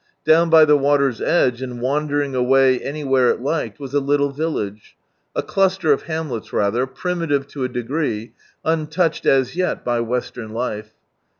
Down by the water's edge, and wandering away anywhere it liked, was a little village, a cluster of hamlets rather, primitive to a d^ee, untouched as yel by Western life.